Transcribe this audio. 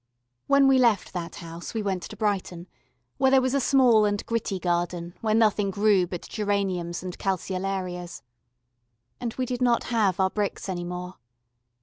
When we left that house we went to Brighton, where there was a small and gritty garden, where nothing grew but geraniums and calceolarias. And we did not have our bricks any more.